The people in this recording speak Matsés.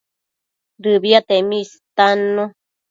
Dëbiatemi istannu